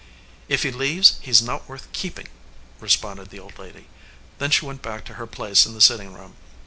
"If he leaves, he s not worth keeping," responded the old lady. Then she went back to her place in the sitting room.